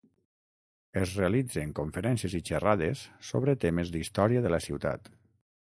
Es realitzen conferències i xerrades sobre temes d'història de la ciutat.